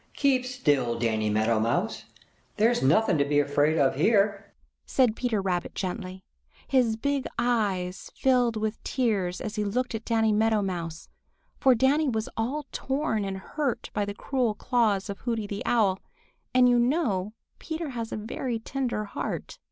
Keep still, Danny Meadow Mouse. There's nothing to be afraid of here," said Peter Rabbit gently. His big eyes filled with tears as he looked at Danny Meadow Mouse, for Danny was all torn and hurt by the cruel claws of Hooty the Owl, and you know Peter has a very tender heart.